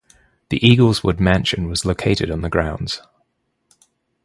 The Eagleswood Mansion was located on the grounds.